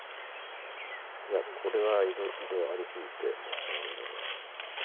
いやこれはいろいろありすぎてうん。